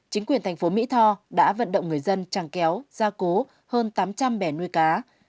chính quyền thành phố mỹ tho đã vận động người dân tràng kéo gia cố hơn tám trăm linh bè nuôi cá